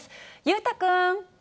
裕太君。